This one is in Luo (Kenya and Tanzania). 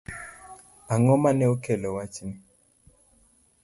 Ang'o mane okelo wachni?